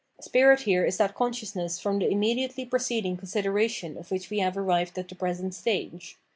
Spirit here is that consciousness from the immediately preceding consideration of which we have arrived at the present stage.